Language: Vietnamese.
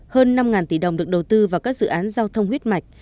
hơn năm tỷ đồng được đầu tư vào các dự án giao thông huyết mạch